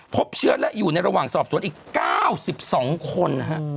พบเชื้อและอยู่ในระหว่างสอบสวนอีก๙๒คนนะฮะ